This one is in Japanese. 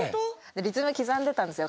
リズム刻んでたんですよ